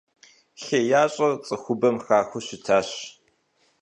ХеящӀэр цӀыхубэм хахыу щытащ.